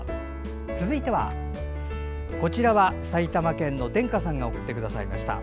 続いては、埼玉県のでんかさんが送ってくださいました。